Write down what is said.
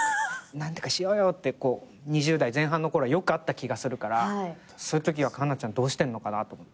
「何とかしようよ」って２０代前半のころよくあった気がするからそういうときは環奈ちゃんどうしてんのかなと思って。